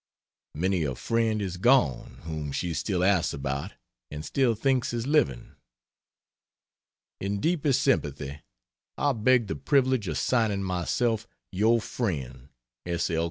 Many a friend is gone whom she still asks about and still thinks is living. In deepest sympathy I beg the privilege of signing myself Your friend, S. L.